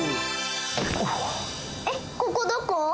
えっここどこ？